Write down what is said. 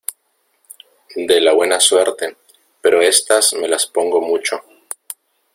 de la buena suerte, pero estas me las pongo mucho